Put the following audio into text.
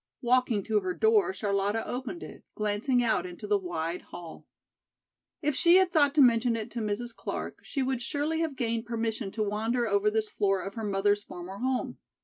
Walking to her door Charlotta opened it, glancing out into the wide hall. If she had thought to mention it to Mrs. Clark, she would surely have gained permission to wander over this floor of her mother's former home.